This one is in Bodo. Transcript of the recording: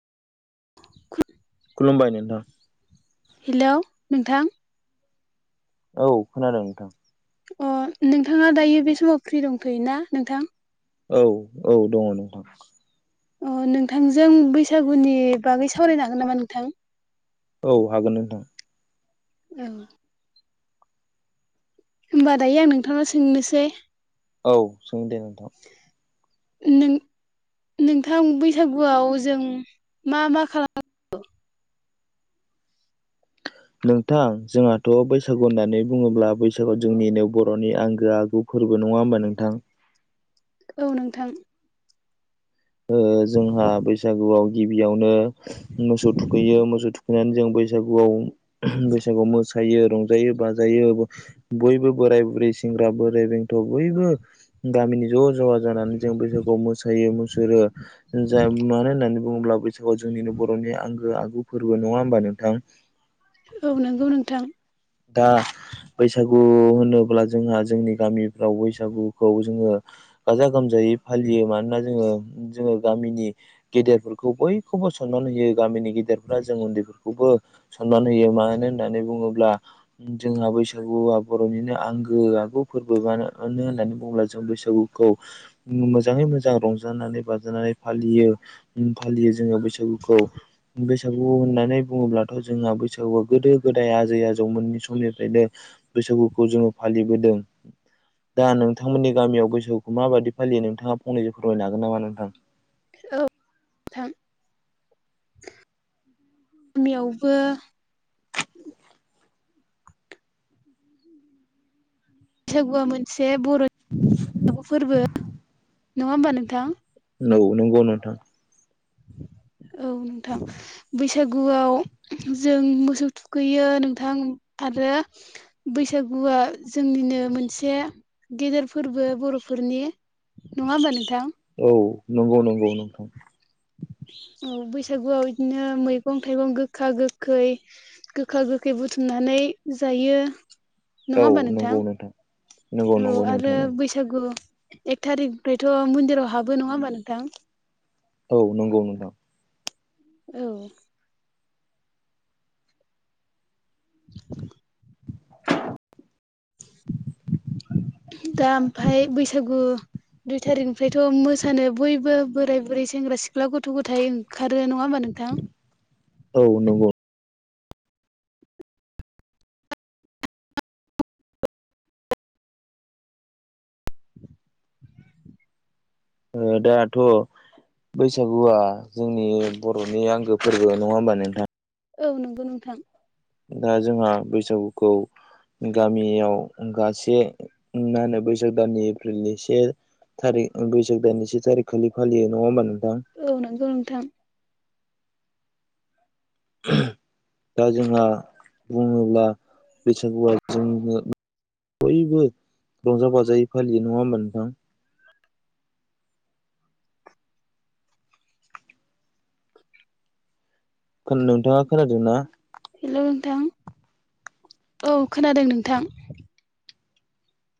[unintelligible] खुलुमबाय नोंथां हेल' नोंथां औ खोनादों नोंथां अ नोंथाङा दायो बे समाव फ्रि दंफैथ'योना नोंथां औ औ दङ नोंथां अ नोंथांजों बैसागुनि बागै सावरायनो हागोन नामा नोंथां औ हागोन नोंथां ओं होमबा दायो आं नोंथाङा सोंनोसै औ सों दे नोंथां नों नोंथां बैसागुआव जों मा मा खालामो? [inaudible] नोंथां जोंहाथ' बैसागु होननानै बुङोब्ला बैसागुआ जोंनिनो बर'नि आंगो आगु फोरबो नङा होमबा नोंथां औ नोंथां ओ जोंहा बैसागुआव गिबियावनो मोसौ थुखैयो मोसौ थु नानै जों बैसागुआव ओह बैसागुआव मोस यो रंजायो बाजायो बयबो बोराय बुरै सेंग्रा बोराइ बेंथ' बयबो गामिनि ज' ज' जानानै जों बैसागुयाव मोसायो मु जा मानो होननानै बुङोब्ला बैसागुआव जोंनिनो बर'नि आंगो आगु फोरबो नङा होमबा नोंथां औ नंगौ नोंथां दा बैसागु होनोब्ला जोंहा जोंनि गामिफ्राव बैसागुखौ जोङो गाजा गो गोमजायै फालियो मानोना जोंङो जोंङो गामिनि गेदेरफोरखौ बयखौबो सनमान होयो गामिनि गेदेरफोरा जों उन्दैफोरखौबो सनमान होयो मानो होननानै बुङोब्ला जोंहा बैसागुआ बर'निनो आंगो आगु फोरबोआनो होननानै बुङोब्ला जों बैसाग गुखौ मोजाङै मोजां रंजानानै बाजानानै फालियो फालियो जोंङो बैसाग गुखौ बैसागु होननानै बुङोब्लाथ' जोंहा बैसागुआ गोदो गोदाय आजै आजौ जौ मोननि समनिफ्रायनो बैसागुखौ जोंङो फालिबोदों। दा नोंथांमोननि गामियाव बैसागुखौ माबायदि फालियो नोंथाङा फंनैसो फोरमायनो हागोन नामा नोंथां? औ नोंथां गामियावबो [inaudible] बैसागुआ मोनसे बर'नि फोरबो नङा होमबा नोंथां नंगौ नंगौ नोंथां [inaudible] औ नोंथां बैसागुआव जों मोसौ थुखैयो नोंथां आरो बैसागुआ जोंनिनो मोनसे गेदेर फोरबो बर'फोर रनि नङाबा नोंथां औ नंगौ नंगौ नोंथां औ बैसागुआव बिदिनो मैगं थाइगं गोखा गोखै गोखा गोखै बुथुमनानै जायो। नङा औ होमबा नोंथां नंगौ नंगौ औ नंगौ नोंथां आरो नंगौ बैसागु एक थारिकनिफ्रायथ' मन्दिराव हाबो नङा होमबा नोंथां औ नंगौ नोंथां औ [inaudible] दा ओमफ्राय बैसागु दुइ थारिखनिफ्रायथ' मोसानो बयबो बोराय बुरै सेंग्रा सिख्ला गथ' गथाय ओंखारो नङा होमबा नोंथां। थां औ नंगौ अ दाथ' बैसागुआ जोंनि बर'नि आंगो फोरबो नङा होमबा नोंथां औ नंगौ नोंथां दा जोंहा बैसागुखौ गामियाव गासे मा होनो बैसाग दाननि एप्रिलनि से थारिख बैसाग दाननि से थारिख खालि फालियो नङा होनबा नोंथां औ नंगौ नोंथां [inaudible] दा जोंहा बुङोब्ला बैसागुआ जोंनो बयबो रंजा बाजायै फालियो नङा होमबा नोंथां नोंथाङा खोनादों ना हेल' नोंथां औ खोनादों नोंथां